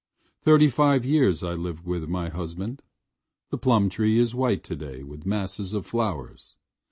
Thirtyfive years I lived with my husband. The plumtree is white today with masses of flowers.